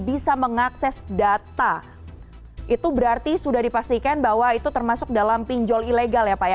bisa mengakses data itu berarti sudah dipastikan bahwa itu termasuk dalam pinjol ilegal ya pak ya